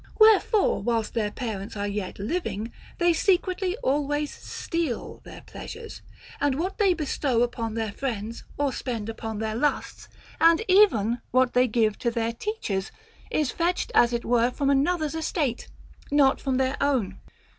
Wherefore, whilst their parents are yet living, they secretly always steal their pleasures ; and what they bestow upon their friends or spend upon their lusts, and even what they give to their teachers, is fetched as it were from another's estate, not from their own.